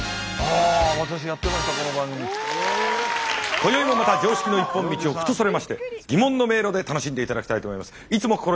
今宵もまた常識の一本道をフッとそれまして疑問の迷路で楽しんでいただきたいと思います。